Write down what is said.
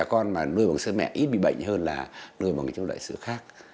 con mà nuôi bằng sữa mẹ ít bị bệnh hơn là nuôi bằng trong loại sữa khác